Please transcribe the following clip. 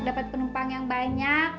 dapat penumpang yang banyak